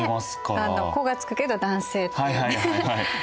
「子」が付くけど男性っていうね。